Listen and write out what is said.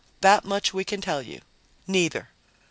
"That much we can tell you. Neither."